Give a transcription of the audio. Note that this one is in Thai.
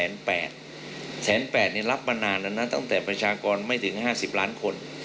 แสน๘รับมานานแล้วนะตั้งแต่ประชากรไม่ถึง๕๐ล้านคน